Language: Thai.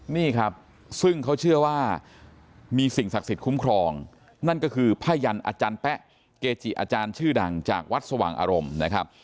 นี่ครับซึ่งเขาเชื่อว่ามีสิ่งศักดิ์สิทธิ์คุ้มครองนั่นก็คือผ้ายันอาจารย์แป๊ะเกจิอาจารย์ชื่อดังจากวัดสว่างอารมณ์นะครับ